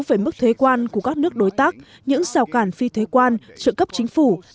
về mức thuế quan của các nước đối tác những rào cản phi thuế quan trợ cấp chính phủ